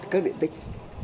các điện tích